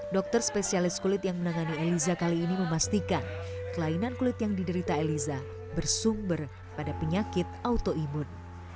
dokter spesialis kulit yang menangani eliza kali ini memastikan kelainan kulit yang diderita eliza bersumber pada penyakit autoimun